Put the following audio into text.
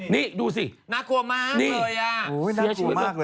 นี่ดูสิน่ากลัวมากเลย